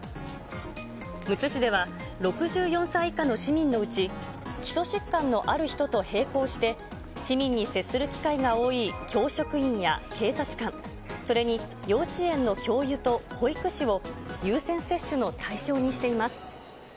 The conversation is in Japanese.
むつ市では、６４歳以下の市民のうち、基礎疾患のある人と並行して、市民に接する機会が多い教職員や警察官、それに幼稚園の教諭と保育士を優先接種の対象にしています。